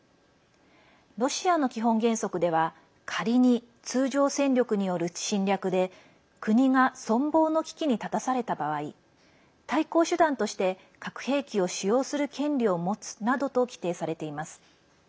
ロシアの基本原則では仮に通常戦力による侵略で国が存亡の危機に立たされた場合対抗手段として核兵器を使用する権利を持つなどと規定されています。